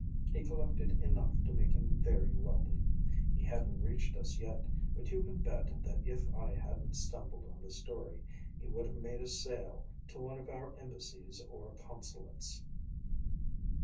He collected enough to make him very wealthy. He hadn't reached us yet, but you can bet that if I hadn't stumbled on the story, he would have made a sale to one of our embassies or consulates."